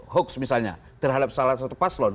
hoax misalnya terhadap salah satu paslon